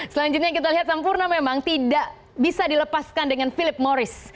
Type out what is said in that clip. selanjutnya kita lihat sampurna memang tidak bisa dilepaskan dengan philip moris